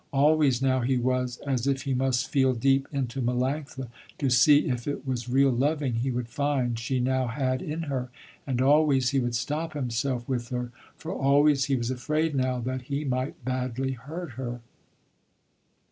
Always now he was, as if he must feel deep into Melanctha to see if it was real loving he would find she now had in her, and always he would stop himself, with her, for always he was afraid now that he might badly hurt her.